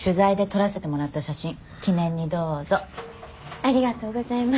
ありがとうございます。